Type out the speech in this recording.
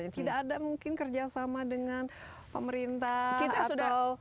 tidak ada mungkin kerjasama dengan pemerintah atau